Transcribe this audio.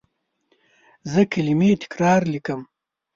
زه کلمې تکرار لیکم.